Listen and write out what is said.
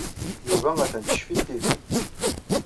Yuba atan teccef-it tidi.